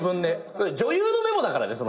それ女優のメモだからね。